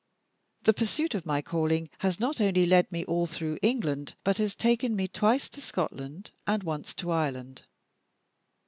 The pursuit of my calling has not only led me all through England, but has taken me twice to Scotland, and once to Ireland.